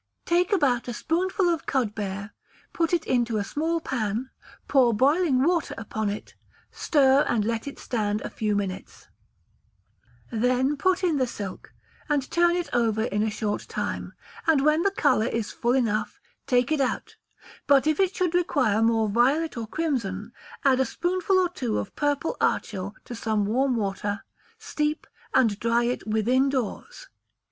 Take about a spoonful of cudbear, put it into a small pan, pour boiling water upon it; stir and let it stand a few minutes, then put in the silk, and turn it over in a short time, and when the colour is full enough, take it out; but if it should require more violet or crimson, add a spoonful or two of purple archil to some warm water; steep, and dry it within doors.